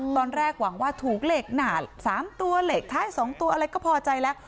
ตอนแรกหวังว่าถูกเลขหนาด๓ตัวเลขท้าย๒ตัวอะไรก็พอใจแล้ว